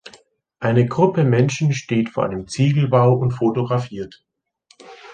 Eine Gruppe Menschen steht vor einem Ziegelbau und fotografiert.